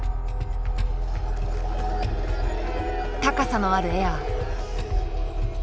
高さのあるエア。